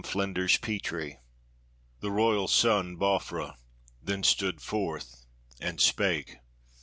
FLINDERS PETREE The royal son Baufra then stood forth and spake.